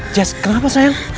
jess kenapa sayang